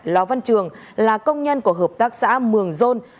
lò văn trường là công nhân của hợp tác xã mường dôn